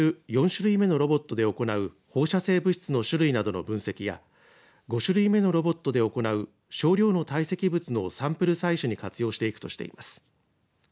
４種類目のロボットで行う放射性物質の種類などの分析や５種類目のロボットで行う少量の堆積物のサンプル採取に活用していくとしています。